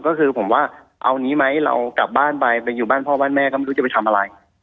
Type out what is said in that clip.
ก็คือผมว่าเอางี้ไหมเรากลับบ้านไปไปอยู่บ้านพ่อบ้านแม่ก็ไม่รู้จะไปทำอะไร